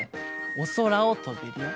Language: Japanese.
おそらをとべるよ。